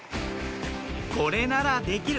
これならできる！